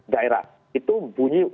daerah itu bunyi